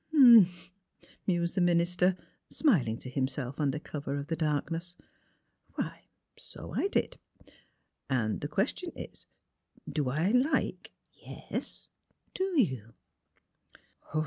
*' H'm," mused the minister, smiling to himself under cover of the darkness ;'' why, so I did. And the question is, do I like "'' Yes; do you?